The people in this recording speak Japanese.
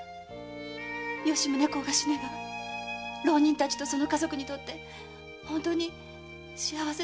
吉宗公が死ねば浪人たちとその家族にとって本当に幸せな世の中がくるんでしょうか？